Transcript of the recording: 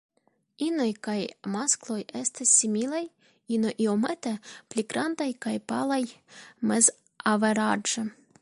Inoj kaj maskloj estas similaj, ino iomete pli grandaj kaj palaj mezaveraĝe.